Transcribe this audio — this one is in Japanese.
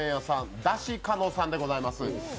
だしかのさんでございます。